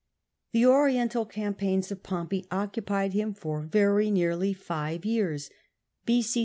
The Oriental campaigns of Pompey occupied him for very nearly five years (b.c.